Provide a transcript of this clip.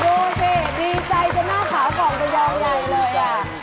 โอเคดีใจจนมาขาวของสุยองใหญ่เลย